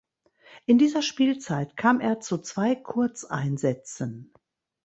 In dieser Spielzeit kam er zu zwei Kurzeinsätzen.